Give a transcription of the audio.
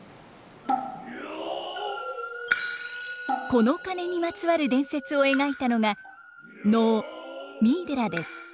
この鐘にまつわる伝説を描いたのが能「三井寺」です。